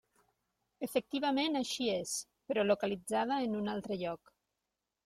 Efectivament així és, però localitzada en un altre lloc.